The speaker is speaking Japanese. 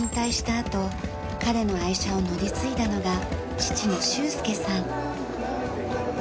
あと彼の愛車を乗り継いだのが父の宗助さん。